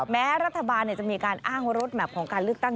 แม้รัฐบาลจะมีการอ้างว่ารถแมพของการเลือกตั้ง